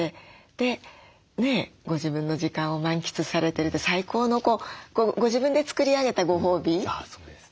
でご自分の時間を満喫されてるって最高のご自分で作り上げたご褒美だなと思って。